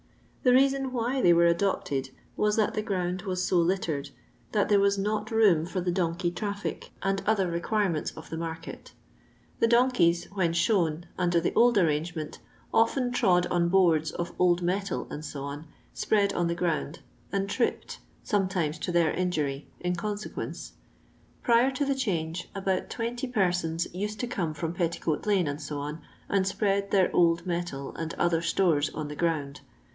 The reason why they were adopted was that the ground was so littered, that there was not room for the donkey traffic and other requirements of the market The donkeys^ when " shown," nnder the old arrangement, often trod on boards of old metal, <ec., spread on the ground, and tripped, sometimes to their injury, in consequence. Prior to the change, about twenty persons used to come from Petticoat lane, &c., and spread their old metal or other stores on the ground.